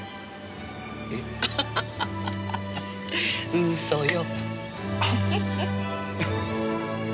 うそよ。